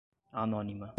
anônima